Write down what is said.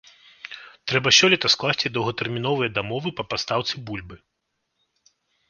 Трэба сёлета скласці доўгатэрміновыя дамовы па пастаўцы бульбы.